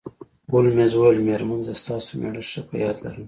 هولمز وویل میرمن زه ستاسو میړه ښه په یاد لرم